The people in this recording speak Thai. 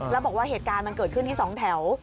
แล้วบอกว่าเหตุการณ์มันเกิดขึ้นที่๒แถว